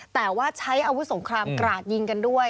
แต่ว่าใช้อาวุธสงครามกราดยิงกันด้วย